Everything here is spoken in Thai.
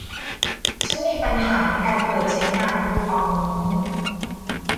ฉันมีปัญหาในการเปิดใช้งานคูปองนี้